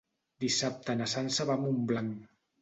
Dissabte na Sança va a Montblanc.